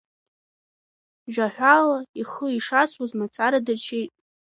Жьаҳәала ихы ишасуаз мацара дыршьит.